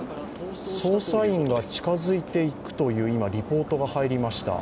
捜査員が近づいていくという今、リポートが入りました。